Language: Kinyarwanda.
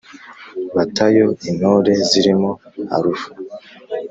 Batayo intore zirimo Alpha,